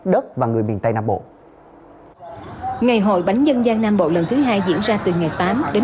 đất và người miền tây nam bộ ngày hội bánh dân gian nam bộ lần thứ hai diễn ra từ ngày tám đến